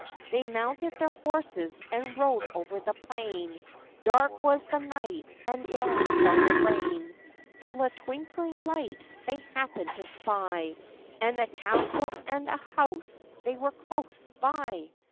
They mounted their horses, and rode over the plain;— Dark was the night, and down fell the rain; Till a twinkling light they happened to spy, And a castle and a house they were close by.